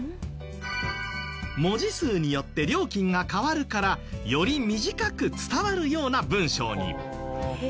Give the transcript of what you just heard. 文字数によって料金が変わるからより短く伝わるような文章に。